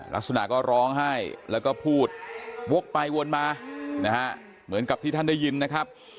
ลักษณะก็ร้องไห้แล้วก็พูดวกไปวนมานะฮะเหมือนกับที่ท่านได้ยินนะครับ